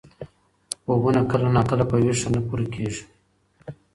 خوبونه کله ناکله په ویښه نه پوره کېږي.